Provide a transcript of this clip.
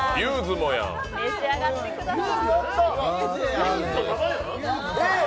召し上がってください。